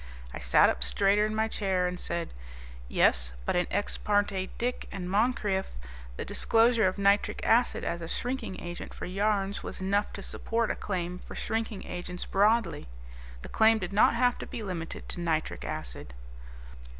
I sat up straighter in my chair and said, "Yes, but in Ex parte Dicke and Moncrieff the disclosure of nitric acid as a shrinking agent for yarns was enough to support a claim for shrinking agents broadly; the claim did not have to be limited to nitric acid."